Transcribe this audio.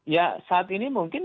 ya saat ini mungkin